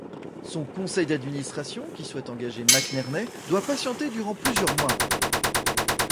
Son conseil d'administration, qui souhaite engager McNerney, doit patienter durant plusieurs mois.